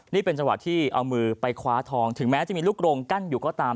นี่เป็นจังหวะที่เอามือไปคว้าทองถึงแม้จะมีลูกโรงกั้นอยู่ก็ตาม